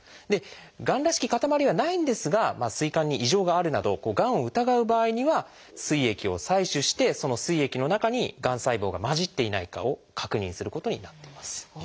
がんらしき塊はないんですが膵管に異常があるなどがんを疑う場合には膵液を採取してその膵液の中にがん細胞が混じっていないかを確認することになっています。